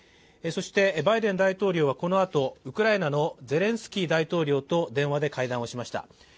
そして、バイデン大統領はこのあとウクライナのゼレンスキー大統領と電話で会談しました。